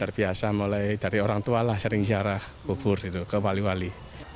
terbiasa mulai dari orang tua lah sering ziarah kubur gitu ke wali wali